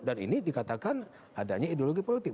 dan ini dikatakan adanya ideologi politik